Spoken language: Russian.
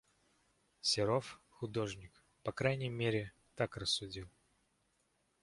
Серов, художник, по крайней мере, так рассудил...